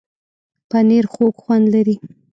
پنېر خوږ خوند لري.